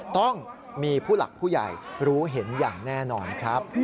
ต้องมีผู้หลักผู้ใหญ่รู้เห็นอย่างแน่นอนครับ